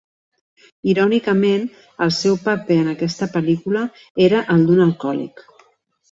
Irònicament, el seu paper en aquesta pel·lícula era el d'un alcohòlic.